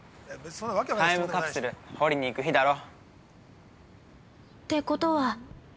タイムカプセル掘りに行く日だろ。